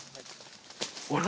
あら？